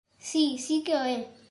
Si, si que o é.